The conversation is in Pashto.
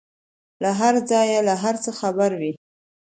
له هرځايه له هرڅه خبره وه.